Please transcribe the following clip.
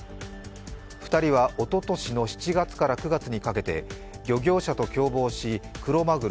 ２人はおととしの７月から９月にかけて、漁業者と共謀しクロマグロ